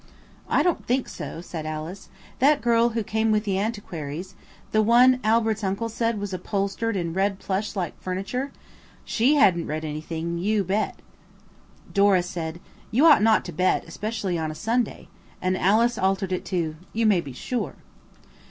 "I don't think so," said Alice. "That girl who came with the antiquities–the one Albert's uncle said was upholstered in red plush like furniture–she hadn't read anything, you bet." Dora said, "You ought not to bet, especially on Sunday," and Alice altered it to "You may be sure."